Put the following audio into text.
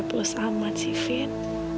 gapus amat sih vin